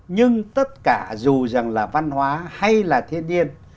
nhưng tất cả dù rằng là văn hóa hay là thiên nhiên